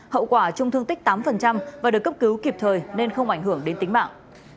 hậu quả trung thương tích tám và được cấp cứu kịp thời nên không ảnh hưởng đến tính mạng